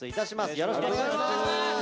よろしくお願いします。